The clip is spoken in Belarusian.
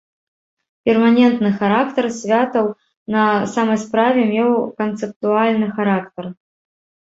Перманентны характар святаў на самай справе меў канцэптуальны характар.